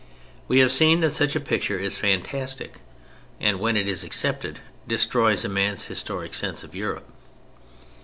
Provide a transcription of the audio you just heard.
We have seen that such a picture is fantastic and, when it is accepted, destroys a man's historic sense of Europe.